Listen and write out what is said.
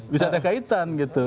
bisa ada kaitan gitu